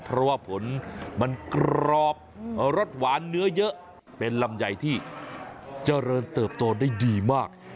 เพราะว่าผลมันกรอบรสหวานเนื้อเยอะเป็นลำไยที่เจริญเติบโตได้ดีมาก